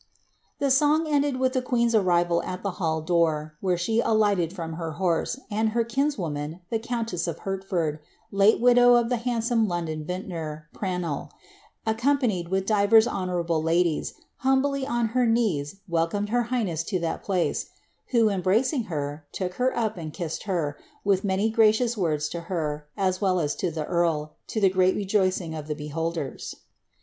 t song ended with the queen^s arrival at the hall door, where she d from her horse, and her kinswoman, the countess of Hertford, dow to the handsome London vintner, Prannel, accompanied with honourable ladies, humbly on her knees welcomed her highness t place, who, embracing her, took her up and kissed her, with p«ciou8 words to her, as well as to the earl, to the great rejoicing beholders.